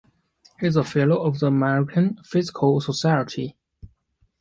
He is a Fellow of the American Physical Society.